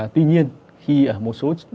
tuy nhiên khi ở một số